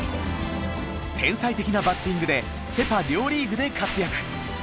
天才的なバッティングでセ・パ両リーグで活躍。